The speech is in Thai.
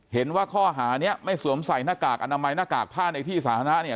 เห็นว่าข้อหานี้ไม่สวมใส่หน้ากากอนามัยหน้ากากผ้าในที่สาธารณะเนี่ย